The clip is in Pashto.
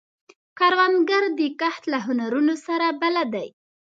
کروندګر د کښت له هنرونو سره بلد دی